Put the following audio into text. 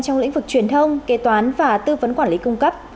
trong lĩnh vực truyền thông kế toán và tư vấn quản lý cung cấp